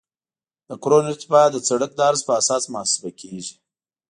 د کرون ارتفاع د سرک د عرض په اساس محاسبه کیږي